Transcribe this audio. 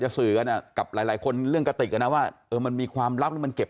สื่อกันกับหลายคนเรื่องกระติกนะว่ามันมีความลับหรือมันเก็บ